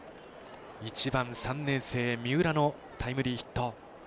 １番、３年生、三浦のタイムリーヒット。